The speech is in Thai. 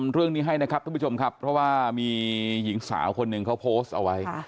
เรื่องนี้ให้นะครับทุกผู้ชมครับเพราะว่ามีหญิงสาวคนหนึ่งเขาโพสต์เอาไว้